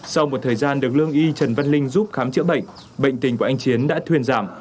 sau một thời gian được lương y trần văn linh giúp khám chữa bệnh bệnh tình của anh chiến đã thuyền giảm